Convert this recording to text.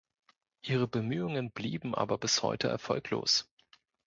Ihre Bemühungen blieben aber bis heute erfolglos.